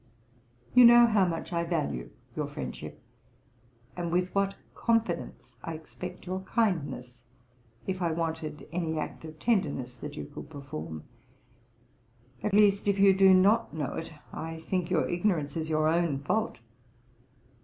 You know how much I value your friendship, and with what confidence I expect your kindness, if I wanted any act of tenderness that you could perform; at least, if you do not know it, I think your ignorance is your own fault.